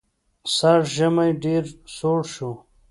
سږ ژمی ډېر سوړ شو.